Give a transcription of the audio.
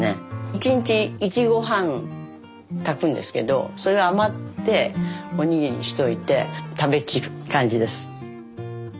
１日１合半炊くんですけどそれが余っておにぎりにしといて食べきる感じです。